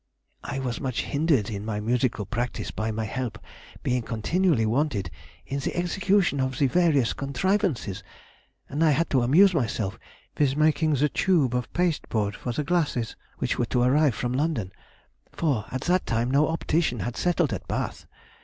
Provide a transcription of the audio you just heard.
I was much hindered in my musical practice by my help being continually wanted in the execution of the various contrivances, and I had to amuse myself with making the tube of pasteboard for the glasses which were to arrive from London, for at that time no optician had settled at Bath.